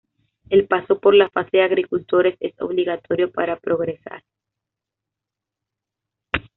El paso por la fase de agricultores es obligatorio para progresar.